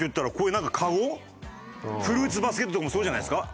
フルーツバスケットとかもそうじゃないですか？